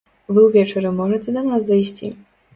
Вы ўвечары можаце да нас зайсці?